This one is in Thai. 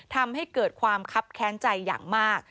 ทำให้เกิดความคับแค้นใจอย่างมาก